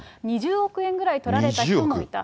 ２０億円ぐらいとられた人もいた。